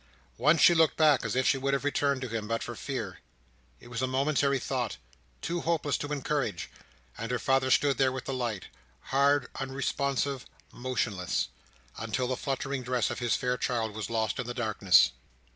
Once she looked back as if she would have returned to him, but for fear. It was a momentary thought, too hopeless to encourage; and her father stood there with the light—hard, unresponsive, motionless—until the fluttering dress of his fair child was lost in the darkness.